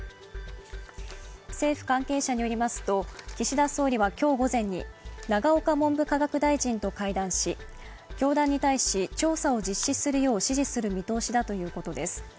政府関係者によりますと岸田総理は今日午前に永岡文部科学大臣と会談し、教団に対し、調査を実施するよう指示する見通しだということです。